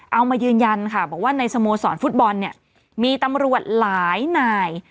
เอามายืนยันค่ะบอกว่าในสโมสรฟุตบอลเนี่ยมีตำรวจหลายนาย